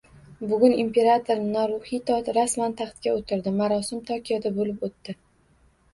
Bugun imperator Naruxito rasman taxtga o'tirdi. Marosim Tokioda bo'lib o'tdi.